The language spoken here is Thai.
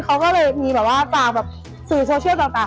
เขาก็เลยมีแบบว่าฝากแบบสื่อโซเชียลต่าง